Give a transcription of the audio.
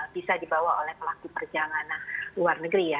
bisa dibawa oleh pelaku perjalanan luar negeri ya